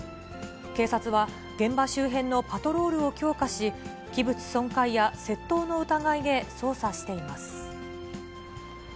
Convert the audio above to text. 警察は、現場周辺のパトロールを強化し、器物損壊や窃盗の疑いで捜査しています。